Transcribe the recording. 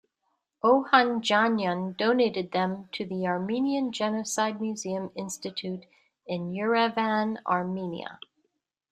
Ohandjanyan donated them to the Armenian Genocide Museum-Institute in Yerevan, Armenia.